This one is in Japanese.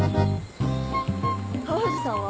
川藤さんは？